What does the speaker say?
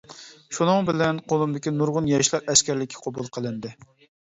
شۇنىڭ بىلەن قۇمۇلدىكى نۇرغۇن ياشلار ئەسكەرلىككە قوبۇل قىلىندى.